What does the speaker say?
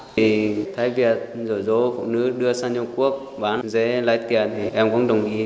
thì thấy việc dỗ dỗ phụ nữ đưa sang trung quốc bán dế lấy tiền thì em cũng đồng ý